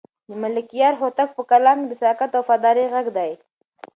د ملکیار هوتک په کلام کې د صداقت او وفادارۍ غږ دی.